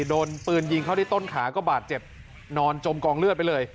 โดนปืนยิงเข้าที่ต้นขาก็บาดเจ็บนอนจมกองเลือดไปเลย